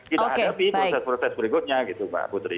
kita hadapi proses proses berikutnya gitu mbak putri